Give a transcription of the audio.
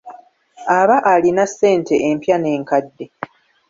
Aba alina ssente empya n'enkadde.